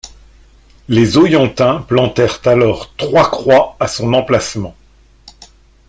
Les Oyentins plantèrent alors trois croix à son emplacement.